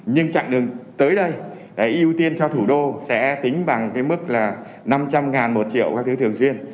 nhưng chặng đường tới đây ưu tiên cho thủ đô sẽ tính bằng cái mức là năm trăm linh một triệu các thứ thường xuyên